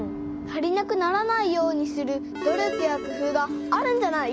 足りなくならないようにする努力やくふうがあるんじゃない？